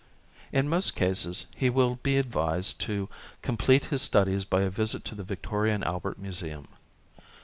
In most cases he will be advised to com plete his studies by a visit to the Victoria and Albert Museum.